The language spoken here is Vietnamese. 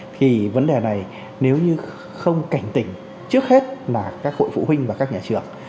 thì vấn đề này nếu như không cảnh tỉnh trước hết là các hội phụ huynh và các nhà trường